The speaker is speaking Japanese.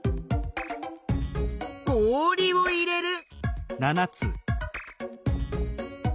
氷を入れる。